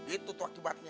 itu tuh akibatnya